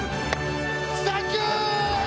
サンキュー‼